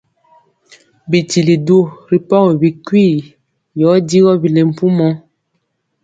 Bitili du ri pɔgi bikwii yɔ digɔ bile mpumɔ.